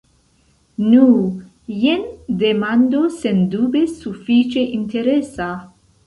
Nu, jen demando sendube sufiĉe interesa.